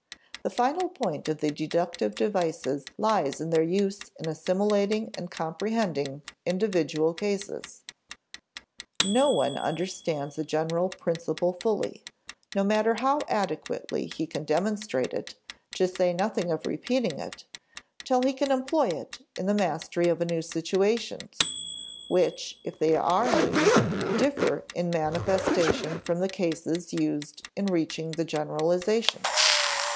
The final point of the deductive devices lies in their use in assimilating and comprehending individual cases. No one understands a general principle fully no matter how adequately he can demonstrate it, to say nothing of repeating it till he can employ it in the mastery of new situations, which, if they are new, differ in manifestation from the cases used in reaching the generalization.